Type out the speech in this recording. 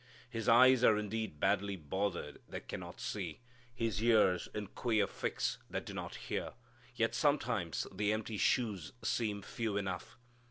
His eyes are indeed badly bothered that cannot see; his ears in queer fix that do not hear. Yet sometimes the empty shoes seem few enough.